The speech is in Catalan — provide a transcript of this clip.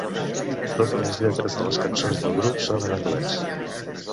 Totes les lletres de les cançons del grup són en anglès.